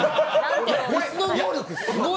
別の能力、すごい！